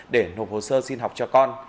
để nộp hồ sơ xin học cho con